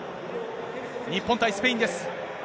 日本対スペインです。